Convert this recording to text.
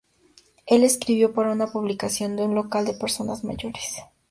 Él escribió para una publicación de un local de personas mayores.